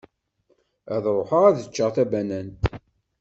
Ad ruḥeɣ ad ččeɣ tabanant.